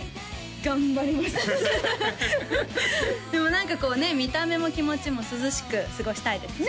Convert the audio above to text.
頑張りますでも何か見た目も気持ちも涼しく過ごしたいですね